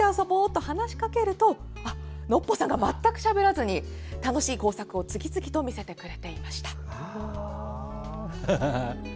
と話しかけるとノッポさんが全くしゃべらずに楽しい工作を次々と見せてくれていました。